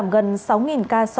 giảm gần sáu ca